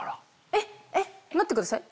えっ待ってください。